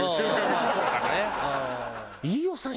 飯尾さん